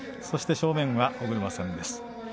そして正面は尾車さんです。